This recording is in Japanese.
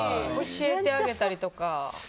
教えてあげたりとか？